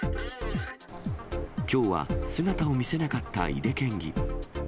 きょうは姿を見せなかった井手県議。